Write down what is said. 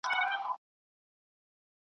دغه وخت به ښکاري کش کړل تناوونه .